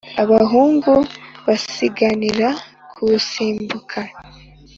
Abahungu basiganira kuwisimbuka;